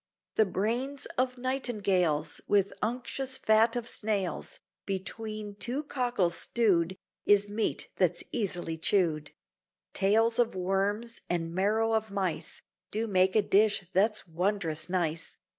The brains of nightingales, With unctuous fat of snails, Between two cockles stewed, Is meat that's easily chewed; Tails of worms and marrow of mice Do make a dish that's wondrous nice.